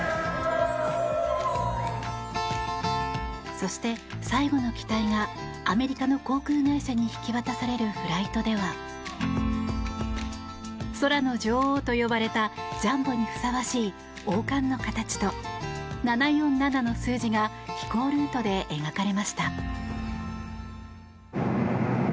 そして、最後の機体がアメリカの航空会社に引き渡されるフライトでは空の女王と呼ばれたジャンボにふさわしい王冠の形と７４７の数字が飛行ルートで描かれました。